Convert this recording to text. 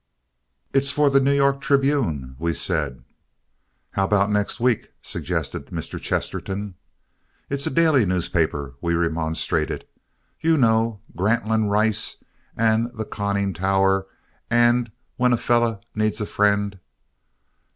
"It's for the New York Tribune," we said. "How about next week?" suggested Mr. Chesterton. "It's a daily newspaper," we remonstrated. "You know Grantland Rice and The Conning Tower and When a Feller Needs a Friend."